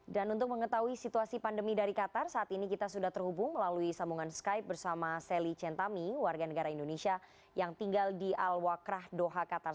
dan untuk mengetahui situasi pandemi dari qatar saat ini kita sudah terhubung melalui sambungan skype bersama sally centami warga negara indonesia yang tinggal di al waqrah doha qatar